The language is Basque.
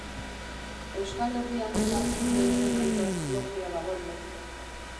Euskal Herrian hargin beltzen hainbat logia badaude.